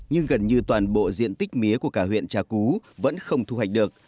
nhưng gần như toàn bộ diện tích mía của cả huyện trà cú vẫn không thu hoạch được